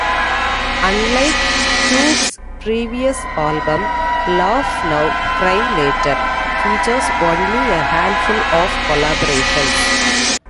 Unlike Cube's previous album, "Laugh Now Cry Later" features only a handful of collaborations.